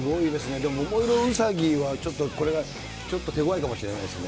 でも、桃色ウサヒは、ちょっと、これはちょっと手ごわいかもしれませんね。